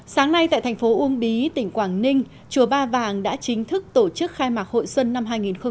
sáng nay tại thành phố uông bí tỉnh quảng ninh chùa ba vàng đã chính thức tổ chức khai mạc hội xuân năm hai nghìn hai mươi